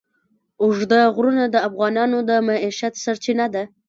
اوږده غرونه د افغانانو د معیشت سرچینه ده.